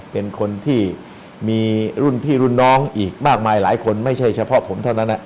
เป็นคนที่มีรุ่นพี่รุ่นน้องอีกมากมายหลายคนไม่ใช่เฉพาะผมเท่านั้น